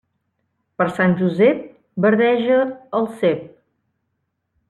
Per Sant Josep, verdeja el cep.